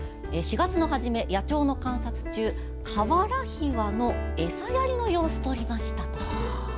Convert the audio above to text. ４月の初め、野鳥の観察中カワラヒワの餌やりの様子を撮りましたと。